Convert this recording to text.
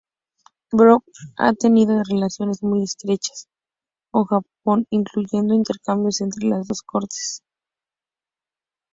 Baekje ha tenido relaciones muy estrechas con Japón, incluyendo intercambios entre las dos cortes.